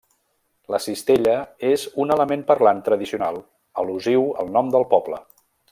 La cistella és un element parlant tradicional, al·lusiu al nom del poble.